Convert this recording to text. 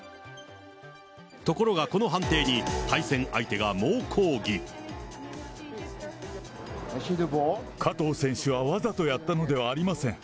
ところがこの判定に、加藤選手はわざとやったのではありません。